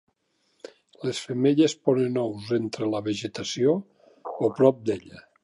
Les femelles ponen ous entre la vegetació o prop d'ella.